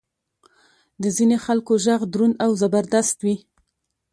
د ځینې خلکو ږغ دروند او زبردست وي.